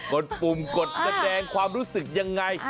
ดปุ่มกดแสดงความรู้สึกยังไง